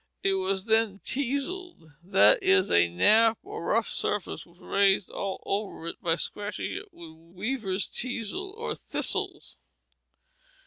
It was then teazelled; that is, a nap or rough surface was raised all over it by scratching it with weavers' teazels or thistles.